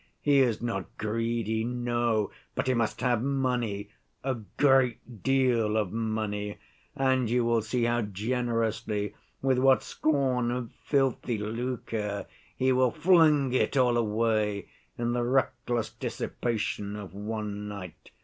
He is not greedy, no, but he must have money, a great deal of money, and you will see how generously, with what scorn of filthy lucre, he will fling it all away in the reckless dissipation of one night.